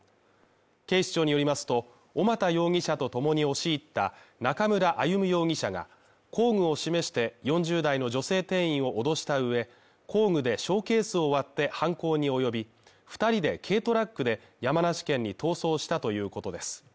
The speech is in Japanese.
警視庁によりますと、小俣容疑者とともに押し入った中村歩武容疑者が工具を示して、４０代の女性店員を脅したうえ、工具でショーケースを割って犯行におよび、２人で軽トラックで山梨県に逃走したということです。